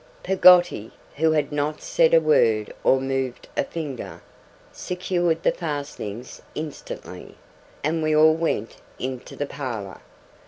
Peggotty, who had not said a word or moved a finger, secured the fastenings instantly, and we all went into the parlour.